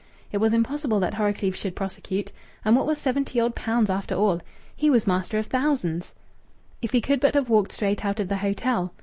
It was impossible that Horrocleave should prosecute. And what was seventy odd pounds, after all? He was master of thousands. If he could but have walked straight out of the hotel!